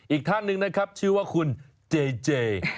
อีกท่านหนึ่งนะครับชื่อว่าคุณเจเจ